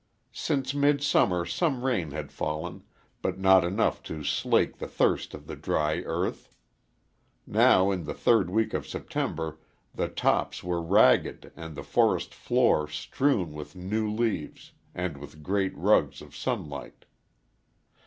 Since midsummer some rain had fallen, but not enough to slake the thirst of the dry earth. Now in the third week of September the tops were ragged and the forest floor strewn with new leaves and with great rugs of sunlight.